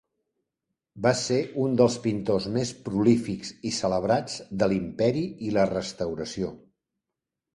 Va ser un dels pintors més prolífics i celebrats de l'Imperi i la Restauració.